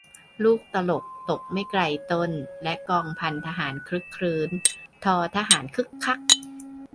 ลูกตลกตกไม่ไกลต้น และกองพันทหารครึกครื้น ททหารคึกคัก